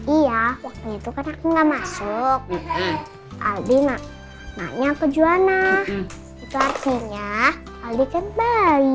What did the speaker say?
iya waktu itu kan aku gak masuk aldi nanya ke juana itu artinya aldi kan baik